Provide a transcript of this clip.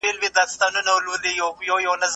هغه ډېر ږدن او پاڼي چي دلته دي، له کړکۍ راغلي.